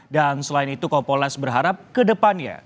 dan selain itu kompolnas berharap ke depannya